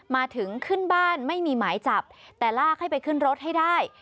มาถึงขึ้นบ้านไม่มีหมายจับแต่ลากให้ไปขึ้นรถให้ได้